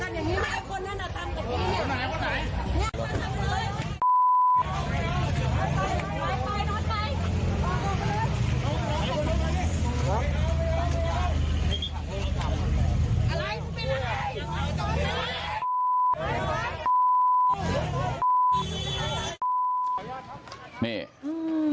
ต้องมาป้องเพื่อนมาปกป้องเพื่อน